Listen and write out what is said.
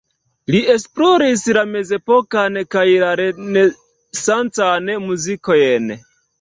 Li esploris la mezepokan kaj renesancan muzikojn.